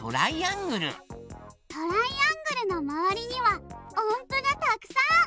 トライアングルのまわりにはおんぷがたくさん！